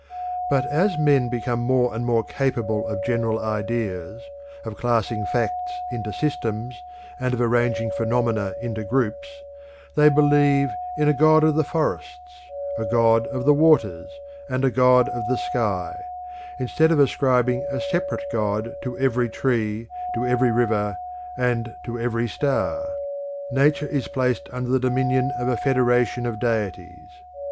But as men become more and more capable of general ideas, of classing facts into systems and of arranging phenomena into groups, they believe in a god of the forests, a god of the waters, and a god of the sky, instead of ascribing a separate god to every tree, to every river, and to every star. Nature is placed under the dominion of a federation of deities.